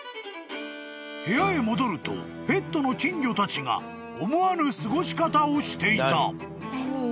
［部屋へ戻るとペットの金魚たちが思わぬ過ごし方をしていた］